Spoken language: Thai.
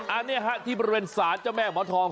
อันนี้ฮะที่บริเวณศาลเจ้าแม่หมอทอง